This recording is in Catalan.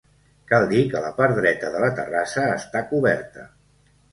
Cal dir que la part dreta de la terrassa està coberta.